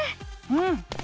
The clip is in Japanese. うん。